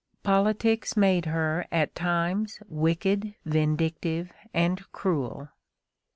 Politics made her at times wicked, vindictive, and cruel.